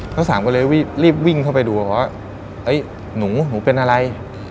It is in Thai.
ข้าวสามก็เลยรีบวิ่งเข้าไปดูว่าหนูหนูเป็นอะไร